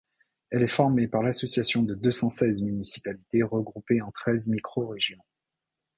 Elle est formée par l'association de deux-cent-seize municipalités regroupées en treize microrégions.